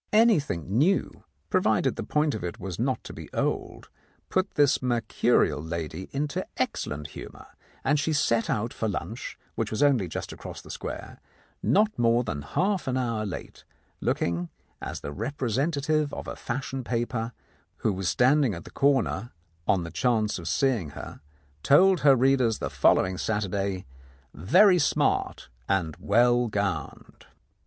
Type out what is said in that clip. Anything new, provided the point of it was not to be old, put this mercurial lady into excellent humour, and she set out for lunch, which was only just across the square, not more than half an hour late, looking, as the representative of a fashion paper who was standing at the corner on the chance of seeing her told her readers the following Saturday, "very smart and well gowned."